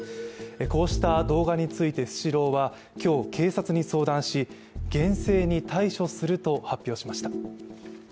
こうした動画についてスシローは今日、警察に相談し、厳正に対処すると発表しました。